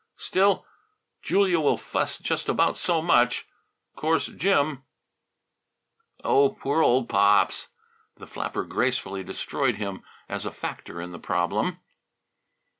Still, Julia will fuss just about so much. Of course, Jim " "Oh, poor old Pops!" The flapper gracefully destroyed him as a factor in the problem.